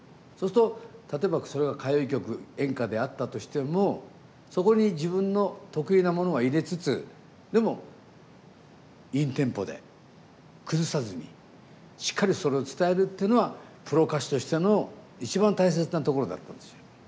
そうすると例えばそれが歌謡曲演歌であったとしてもそこに自分の得意なものは入れつつでもインテンポで崩さずにしっかりそれを伝えるっていうのはプロ歌手としての一番大切なところだったんですよ。